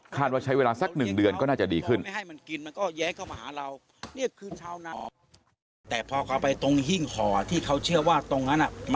ว่าใช้เวลาสักหนึ่งเดือนก็น่าจะดีขึ้น